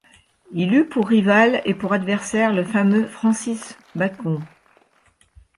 Il eut pour rival et pour adversaire le fameux Francis Bacon.